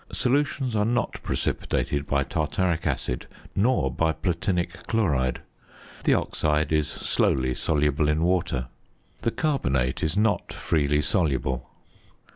Solutions are not precipitated by tartaric acid nor by platinic chloride. The oxide is slowly soluble in water. The carbonate is not freely soluble.